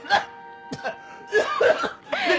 えっ？